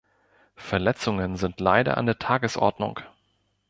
Verletzungen sind leider an der Tagesordnung.